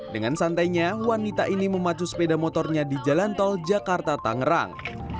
dengan santainya wanita ini memacu sepeda motornya di jalan tol jakarta tangerang